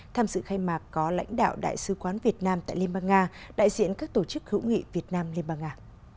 tham dự khai mạc có lãnh đạo đại sứ quán việt nam tại liên bang nga đại diện các tổ chức hữu nghị việt nam liên bang nga